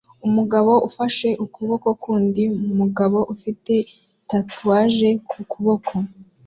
Umugabo ufashe ukuboko k'undi mugabo ufite tatuwaje ku kuboko